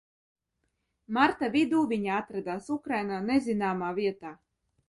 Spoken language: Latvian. Marta vidū viņa atradās Ukrainā nezināmā vietā.